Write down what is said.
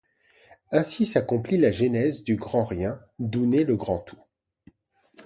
Ainsi s’accomplit la genèse Du grand rien d’où naît le grand tout.